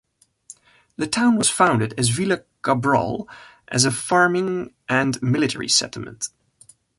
The town was founded as Vila Cabral as a farming and military settlement.